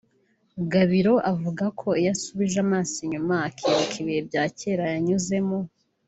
Gabiro avuga ko iyo asubije amaso inyuma akibuka ibihe bya kera yanyuzemo